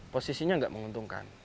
posisinya tidak menguntungkan